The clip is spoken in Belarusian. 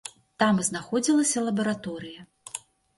Там і знаходзілася лабараторыя.